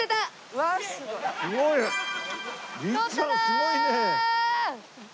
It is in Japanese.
すごいね！